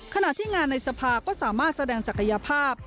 ขณะที่งานในสภาก็สามารถแสดงศักยภาพ